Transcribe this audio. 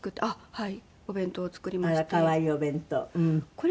はい。